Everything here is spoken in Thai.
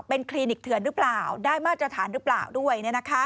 เป็นคลินิกเถื่อนหรือเปล่าได้มาตรฐานหรือเปล่าด้วย